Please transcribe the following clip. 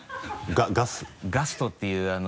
ガス？「ガスト」っていう。